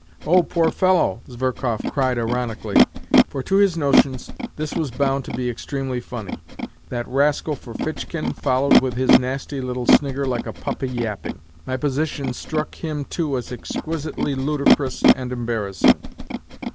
Oh, poor fellow!" Zverkov cried ironically, for to his notions this was bound to be extremely funny. That rascal Ferfitchkin followed with his nasty little snigger like a puppy yapping. My position struck him, too, as exquisitely ludicrous and embarrassing.